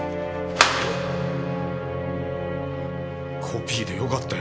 コピーでよかったよ。